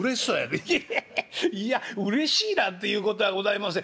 「イヒヒいやうれしいなんていうことはございません。